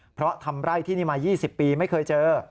เพราะทำไร่ที่นี่มา๒๐ปีไม่เคยเจอ